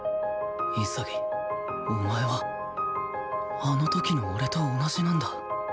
潔お前はあの時の俺と同じなんだ